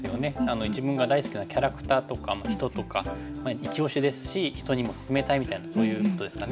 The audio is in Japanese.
自分が大好きなキャラクターとか人とかイチオシですし人にも薦めたいみたいなそういうことですかね。